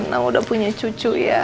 nah udah punya cucu ya